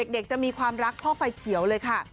จะมีความรักพ่อไฟเขียวเลยค่ะ